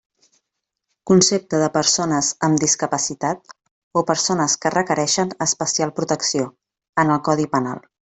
Concepte de persones amb discapacitat o persones que requereixen especial protecció, en el Codi Penal.